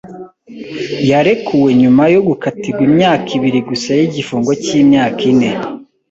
Yarekuwe nyuma yo gukatirwa imyaka ibiri gusa y'igifungo cy'imyaka ine.